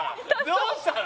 どうしたの？